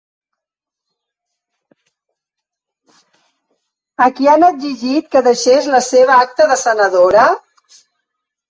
A qui han exigit que deixés la seva acta de senadora?